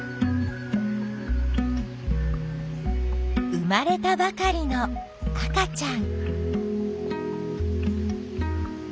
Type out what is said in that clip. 生まれたばかりの赤ちゃん。